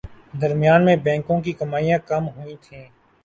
درمیان میں بینکوں کی کمائیاں کم ہوئیں تھیں